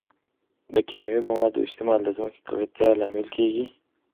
د کیمیاوي موادو استعمال د ځمکې د ککړتیا لامل کیږي.